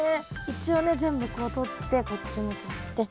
一応ね全部こうとってこっちもとって。